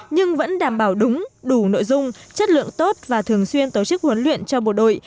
nhưng vẫn đảm bảo đúng đủ nội dung chất lượng tốt và thường xuyên tổ chức huấn luyện cho bộ đội